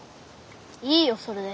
いいよそれで。